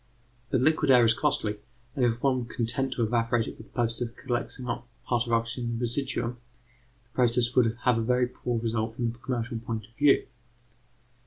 But liquid air is costly, and if one were content to evaporate it for the purpose of collecting a part of the oxygen in the residuum, the process would have a very poor result from the commercial point of view.